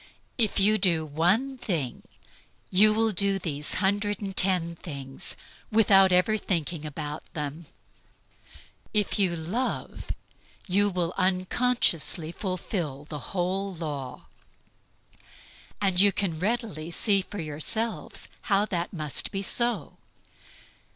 If you do one thing, you will do these hundred and ten things, without ever thinking about them. If you love, you will unconsciously fulfill the whole law." You can readily see for yourselves how that must be so.